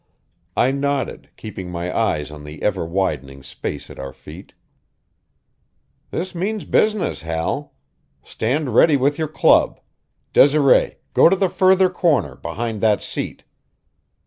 I nodded, keeping my eyes on the ever widening space at our feet. "This means business, Hal. Stand ready with your club. Desiree, go to the further corner, behind that seat."